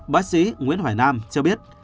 bác sĩ nguyễn hoài nam cho biết